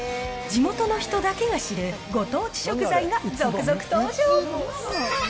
地元の人だけが知る、ご当地食材が続々登場！